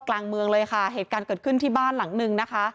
กลางเมืองเลยค่ะเหตุการณ์เกิดขึ้นที่บ้านหลังนึงนะคะ